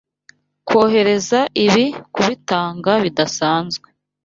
Kohereza ibi kubitanga bidasanzwe.